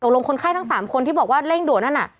ลงคนไข้ทั้ง๓คนที่บอกว่าเร่งด่วนนั่นน่ะ